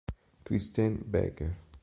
Christine Becker